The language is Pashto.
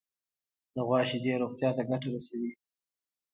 د غوا شیدې روغتیا ته ګټه رسوي.